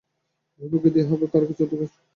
বহিঃপ্রকৃতি ইহা অপেক্ষা আর কিছু অধিক শিখাইতে পারে না।